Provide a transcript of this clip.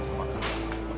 mas ingin menurutkan gue